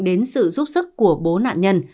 đến sự giúp sức của bố nạn nhân